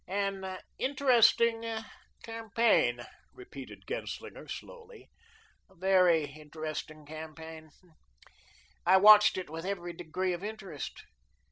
"An interesting campaign," repeated Genslinger, slowly; "a very interesting campaign. I watched it with every degree of interest.